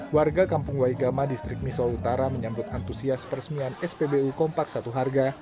warga kampung waigama distrik misol utara menyambut antusias peresmian spbu kompak satu harga